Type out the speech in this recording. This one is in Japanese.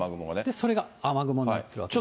それが雨雲になってるわけですね。